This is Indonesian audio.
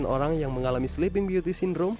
tujuh puluh orang yang mengalami sleeping beauty syndrome